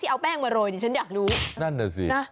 ที่เอาแป้งมาหลอยบางคนหมายใดเราด้วยฉันอยากรู้